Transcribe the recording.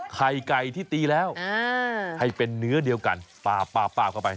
ไข่ไก่ที่ตีแล้วให้เป็นเนื้อเดียวกันป๊าบเข้าไป